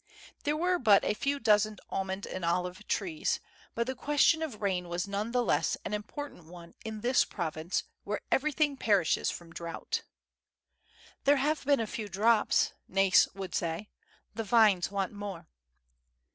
There were but a few dozen almond and olive trees, but the question of rain was none the less an important one in this province where everything perishes from drought. ( 110 ) FREDERIC. Ill "There have been a few drops,'' Nais would say. " The vines want more."